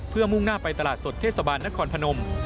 เพื่อมุ่งหน้าไปตลาดสดเทศบาลนครพนม